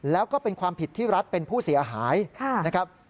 แล้วก็เป็นความผิดที่รัฐเป็นผู้เสียหายนะครับ